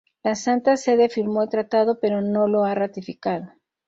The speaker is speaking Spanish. La Santa Sede firmó el tratado pero no lo ha ratificado.